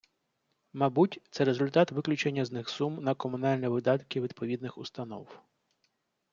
Мабуть, це результат виключення з них сум на комунальні видатки відповідних установ.